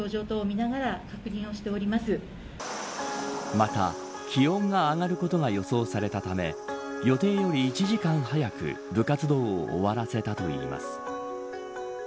また、気温が上がることが予想されたため予定より１時間早く部活動を終わらせたといいます。